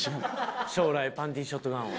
「将来パンティショットガンを」。